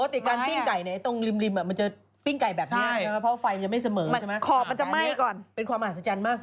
ท่อนี้ค่ะต้องเต็มประโยคเดียวนะครับ